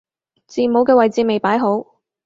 字母嘅位置未擺好